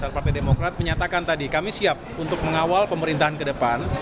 partai demokrat menyatakan tadi kami siap untuk mengawal pemerintahan ke depan